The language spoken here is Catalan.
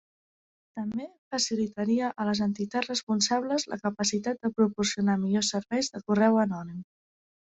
També facilitaria a les entitats responsables la capacitat de proporcionar millors serveis de correu anònim.